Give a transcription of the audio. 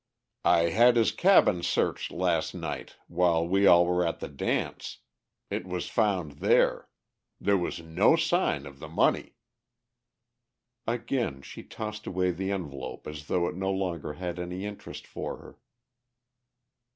"I had his cabin searched last night, while we all were at the dance. It was found there. There was no sign of the money!" Again she tossed away the envelope as though it no longer had any interest for her.